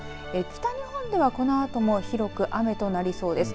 北日本では、このあとも広く雨となりそうです。